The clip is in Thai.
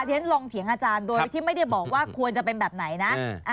ฉันลองเถียงอาจารย์โดยที่ไม่ได้บอกว่าควรจะเป็นแบบไหนนะ